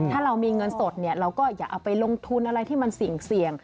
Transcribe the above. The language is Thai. ถ้าเรามีเงินสดเราก็อย่าเอาไปลงทุนอะไรที่มันเสี่ยง